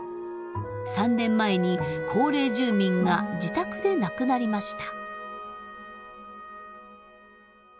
３年前に高齢住民が自宅で亡くなりました。